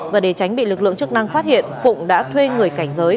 và để tránh bị lực lượng chức năng phát hiện phụng đã thuê người cảnh giới